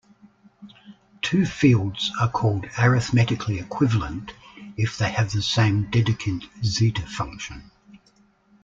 Two fields are called arithmetically equivalent if they have the same Dedekind zeta function.